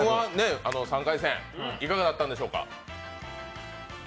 Ｍ−１、３回戦、いかがだったんでしょうか？